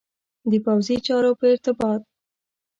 د پوځي چارو په ارتباط.